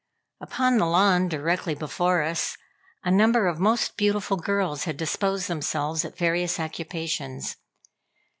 Upon the lawn, directly before us, a number of most beautiful girls had disposed themselves at various occupations.